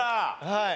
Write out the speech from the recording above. はい。